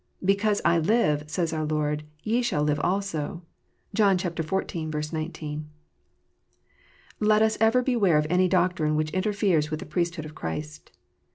"Because I live," says our Lord, "ye shall live also." (John xiv. 19.) Let tis ever beware of any doctrine which interferes with the Priesthood of Christ.